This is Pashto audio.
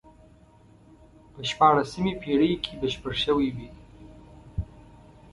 په شپاړسمې پېړۍ کې بشپړ شوی وي.